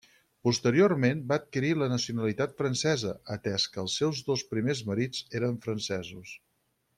Posteriorment va adquirir la nacionalitat francesa, atès que els seus dos primers marits eren francesos.